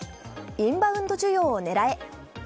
インバウンド需要を狙え。